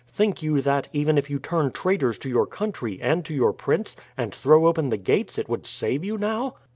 Think you that, even if you turn traitors to your country and to your prince, and throw open the gates, it would save you now?